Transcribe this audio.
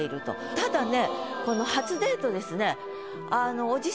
ただね